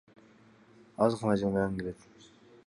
Аз гана жылмайгың келет.